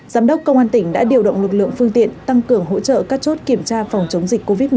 giám đốc công an tỉnh đã điều động lực lượng phương tiện tăng cường hỗ trợ các chốt kiểm tra phòng chống dịch covid một mươi chín